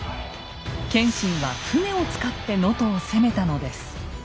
謙信は船を使って能登を攻めたのです。